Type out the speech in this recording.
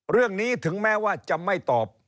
เรื่องนี้ถึงแม้ว่าจะไม่ตอบ